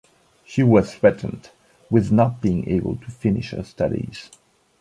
She was threatened with not being able to finish her studies.